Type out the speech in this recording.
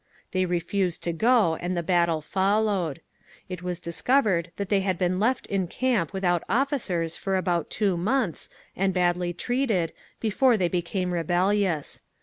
They refused to go, and the battle followed…. It was discovered that they had been left in camp without officers for about two months, and badly treated, before they became rebellious.